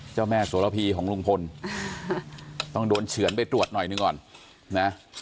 เจ้าแม่โสระพีของลุงพลต้องโดนเฉือนไปตรวจหน่อยหนึ่งก่อนนะ